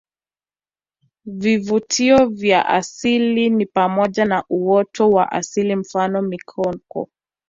Vivutio vya asili ni pamoja na uoto wa asili mfano mikoko